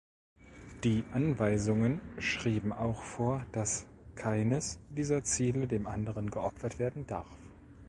Die Anweisungen schrieben auch vor, dass „keines dieser Ziele dem anderen geopfert werden darf“.